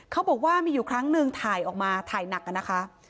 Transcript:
เขาบอกว่ามีอยู่ครั้งหนึ่งถ่ายออกมาถ่ายหนักอะนะคะ